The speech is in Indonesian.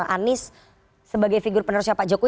anies sebagai figur penerusnya pak jokowi